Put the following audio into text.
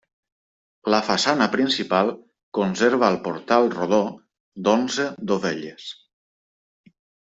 La façana principal conserva el portal rodó d'onze dovelles.